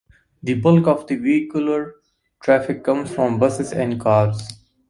The bulk of the vehicular traffic comes from buses and cars.